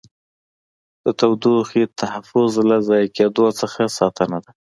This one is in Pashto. د تودوخې تحفظ له ضایع کېدو څخه ساتنه ده.